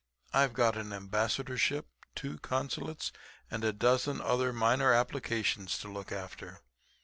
I've got an Ambassadorship, two Consulates and a dozen other minor applications to look after.